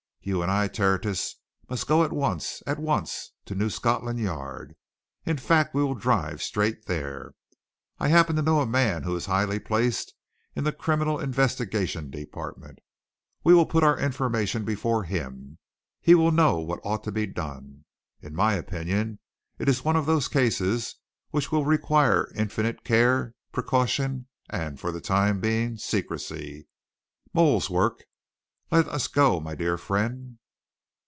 You and I, Tertius, must go at once at once! to New Scotland Yard. In fact, we will drive straight there. I happen to know a man who is highly placed in the Criminal Investigation Department we will put our information before him. He will know what ought to be done. In my opinion, it is one of those cases which will require infinite care, precaution, and, for the time being, secrecy mole's work. Let us go, my dear friend."